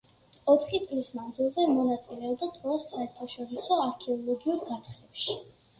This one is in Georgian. ოთხი წლის მანძილზე მონაწილეობდა ტროას საერთაშორისო არქეოლოგიურ გათხრებში.